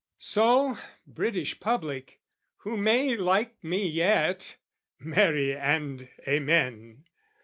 So, British Public, who may like me yet, (Marry and amen!)